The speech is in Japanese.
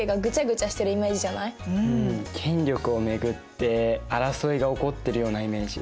権力を巡って争いが起こってるようなイメージ。